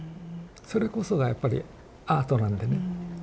それこそがやっぱりアートなんでね。